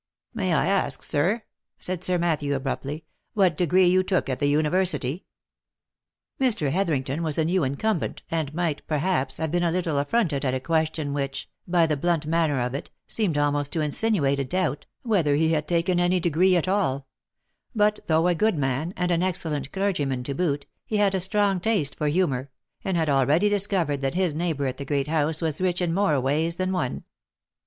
" May I ask, sir," said Sir Matthew abruptly, " what degree you took at the university V* Mr. Hetherington was a new incumbent, and might, perhaps, have been a little affronted at a question which, by the blunt manner of it, seemed almost to insinuate a doubt whether he had taken any b2 4 THE LIFE AND ADVENTURES degree at all ; but, though a good man, and an excellent clergyman to boot, he had a strong taste for humour, and had already dis covered that his neighbour at the great house was rich in more ways than one.